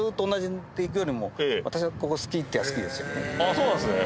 あそうなんですね。